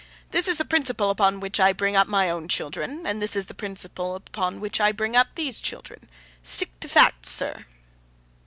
This is the principle on which I bring up my own children, and this is the principle on which I bring up these children. Stick to Facts, sir!